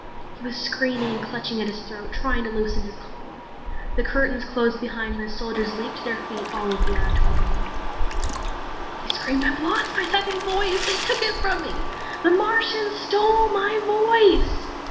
He was screaming and clutching at his throat, trying to loosen his collar. The curtains closed behind him as soldiers leaped to their feet all over the auditorium. He screamed, "I've lost my second voice! They took it from me! The Martians stole my voice!"